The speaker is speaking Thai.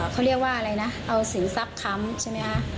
เขาเรียกว่าอะไรนะเอาสินทรัพย์ค้ำใช่ไหมคะ